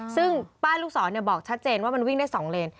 ซึ่งป้าลูกศรบอกชัดเจนว่ามันวิ่งได้๒เลน